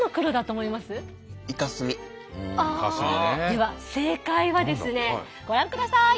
では正解はですねご覧ください！